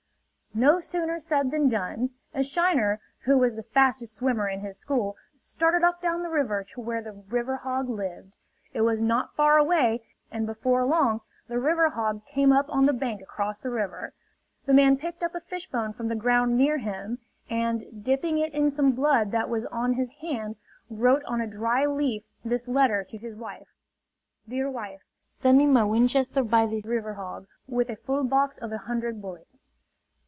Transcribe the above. No sooner said than done! A shiner, who was the fastest swimmer in his school, started off down the river to where the river hog lived. It was not far away; and before long the river hog came up on the bank across the river. The man picked up a fishbone from the ground near him; and dipping it in some blood that was on his hand wrote on a dry leaf this letter to his wife: "Dear Wife: Send me my Winchester by this river hog, with a full box of a hundred bullets.